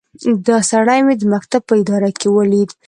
دا سړی مې د مکتب په اداره کې وليد.